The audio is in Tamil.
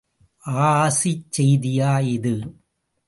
ஆசிச் செய்தியா இது?